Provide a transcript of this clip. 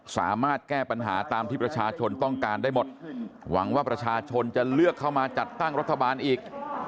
สามารถแก้ปัญหาตามที่ประชาชนต้องการได้หมดหวังว่าประชาชนจะเลือกเข้ามาจัดตั้งรัฐบาลอีก